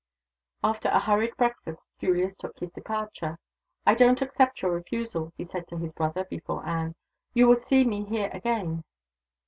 After a hurried breakfast Julius took his departure. "I don't accept your refusal," he said to his brother, before Anne. "You will see me here again."